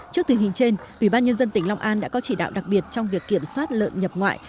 trước tình hình trên ủy ban nhân dân tỉnh long an đã có chỉ đạo đặc biệt trong việc kiểm soát lợn nhập ngoại